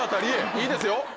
いいですよ！